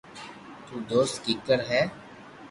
تو دوست ڪيڪر ھي